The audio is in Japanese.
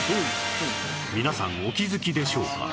皆さんお気づきでしょうか？